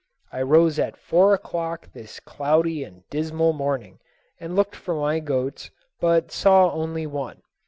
I rose at four o'clock this cloudy and dismal morning and looked for my goats, but saw only one.